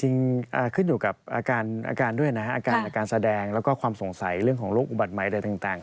จริงขึ้นอยู่กับอาการด้วยนะฮะอาการอาการแสดงแล้วก็ความสงสัยเรื่องของโรคอุบัติใหม่อะไรต่าง